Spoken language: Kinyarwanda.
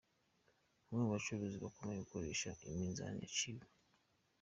Bamwe mu bacuruzi bakomeje gukoresha iminzani yaciwe